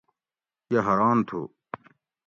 یہ حاران تھُو